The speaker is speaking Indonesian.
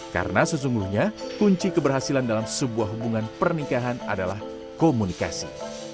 karena sesungguhnya kunci keberhasilan dalam sebuah hubungan pernikahan adalah komunikasi